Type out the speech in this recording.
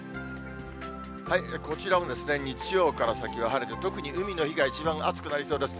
こちらも日曜から先は晴れて、特に海の日が一番暑くなりそうです。